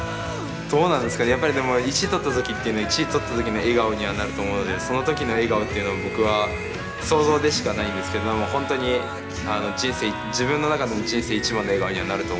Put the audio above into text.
やっぱりでも１位とった時っていうのは１位とった時の笑顔にはなると思うのでその時の笑顔っていうのを僕は想像でしかないんですけど本当に自分の中の人生で一番の笑顔にはなると思っています。